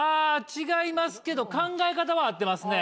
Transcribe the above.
違いますけど考え方は合ってますね。